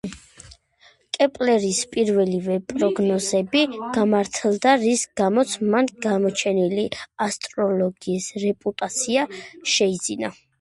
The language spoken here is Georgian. კეპლერის პირველივე პროგნოზები გამართლდა, რის გამოც მან გამოჩენილი ასტროლოგის რეპუტაცია შეიძინა.